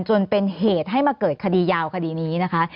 จนเป็นเหตุให้มาเกิดคดียาวคดีนี้นะคะ